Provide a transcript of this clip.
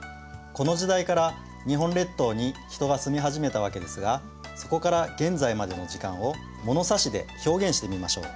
この時代から日本列島に人が住み始めたわけですがそこから現在までの時間をものさしで表現してみましょう。